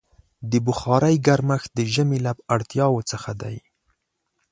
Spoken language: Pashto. د بخارۍ ګرمښت د ژمي له اړتیاوو څخه دی.